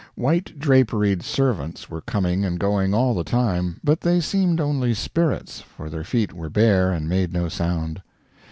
White draperied servants were coming and going all the time, but they seemed only spirits, for their feet were bare and made no sound.